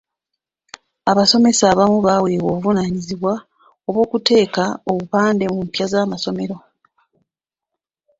Abasomesa abamu baweebwa obuvunaanyizibwa obw’okuteeka obupande mu mpya z’amasomero.